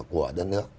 của đất nước